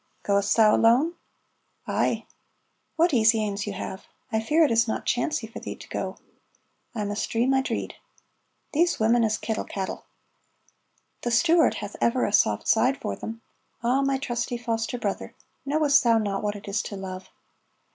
"Ghost thou alone?" "Ay." ("What easy anes you have!) I fear it is not chancey for thee to go." "I must dree my dreed." "These women is kittle cattle." "The Stuart hath ever a soft side for them. Ah, my trusty foster brother, knowest thou not what it is to love?"